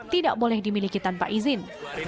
tidak boleh dimiliki tanpa izin